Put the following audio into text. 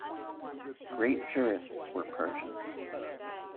Great jurists were Persians.